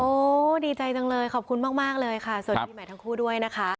ดีใจจังเลยขอบคุณมากเลยค่ะสวัสดีใหม่ทั้งคู่ด้วยนะคะ